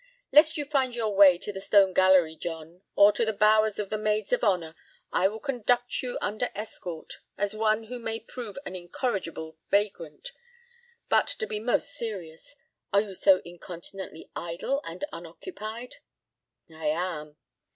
"Lest you find your way to the Stone Gallery, John, or to the bowers of the maids of honor, I will conduct you under escort as one who may prove an incorrigible vagrant. But to be most serious. Are you so incontinently idle and unoccupied?" "I am."